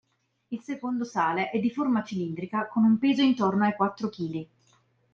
Il secondo sale è di forma cilindrica con un peso intorno ai quattro chili.